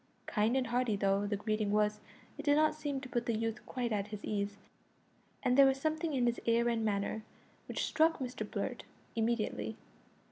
Kind and hearty though the greeting was, it did not seem to put the youth quite at his ease, and there was a something in his air and manner which struck Mr Blurt immediately.